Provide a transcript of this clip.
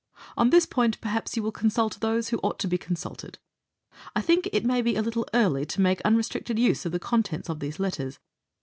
On this point perhaps you will consult those who ought to be consulted. I think it may be a little early to make unrestricted use of the contents of these letters.